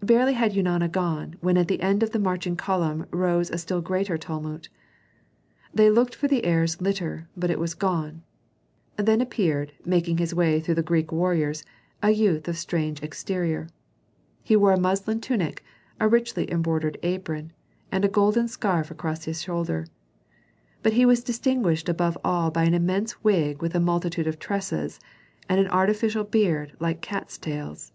Barely had Eunana gone when at the end of the marching column rose a still greater tumult. They looked for the heir's litter, but it was gone. Then appeared, making his way through the Greek warriors, a youth of strange exterior. He wore a muslin tunic, a richly embroidered apron, and a golden scarf across his shoulder. But he was distinguished above all by an immense wig with a multitude of tresses, and an artificial beard like cats' tails.